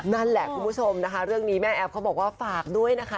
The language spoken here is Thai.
นั่นแหละคุณผู้ชมนะคะเรื่องนี้แม่แอฟเขาบอกว่าฝากด้วยนะคะ